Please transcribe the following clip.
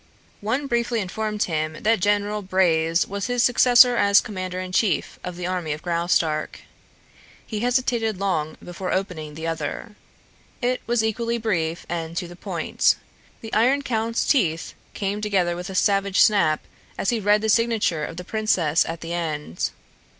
One briefly informed him that General Braze was his successor as commander in chief of the army of Graustark. He hesitated long before opening the other. It was equally brief and to the point. The Iron Count's teeth came together with a savage snap as he read the signature of the princess at the end.